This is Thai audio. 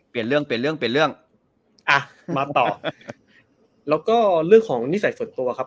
เปลี่ยนเรื่องเปลี่ยนเรื่องเปลี่ยนเรื่องอ่ะมาต่อแล้วก็เรื่องของนิสัยส่วนตัวครับ